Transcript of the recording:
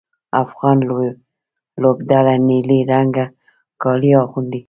افغان لوبډله نیلي رنګه کالي اغوندي.